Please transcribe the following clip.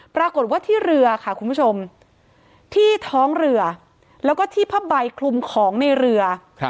ปรากฏว่าที่เรือค่ะคุณผู้ชมที่ท้องเรือแล้วก็ที่ผ้าใบคลุมของในเรือ